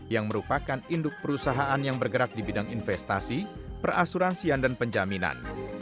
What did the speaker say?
yang merupakan induk perusahaan yang bergerak di bidang investasi perasuransian dan penjaminan